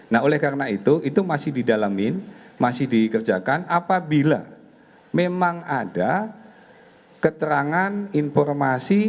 nah oleh karena itu itu masih didalamin masih dikerjakan apabila memang ada keterangan informasi